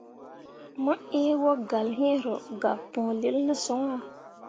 Mo ĩĩ wogalle hĩĩ ro gak pũũlil ne son ah.